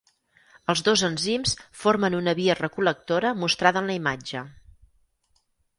Els dos enzims formen una via recol·lectora mostrada en la imatge.